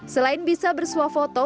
selain bisa bersuah foto